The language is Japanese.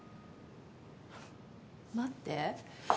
待って。